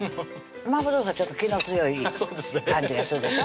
マーボー豆腐はちょっと気の強い感じがするでしょ